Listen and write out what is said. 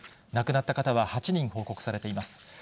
亡くなった方は８人報告されています。